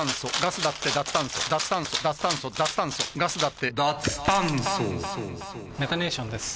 脱炭素脱炭素脱炭素脱炭素ガスだってダ・ツ・タ・ン・ソメタネーションです。